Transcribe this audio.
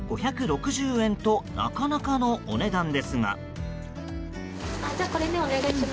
５６０円となかなかのお値段ですが。